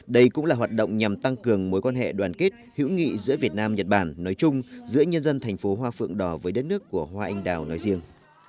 đây cũng là hoạt động nhằm tăng cường mối quan hệ đoàn kết hữu nghị giữa việt nam nhật bản nói chung giữa nhân dân thành phố hoa phượng đỏ với đất nước của hoa anh đào nói riêng